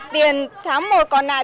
tiền tháng một còn lại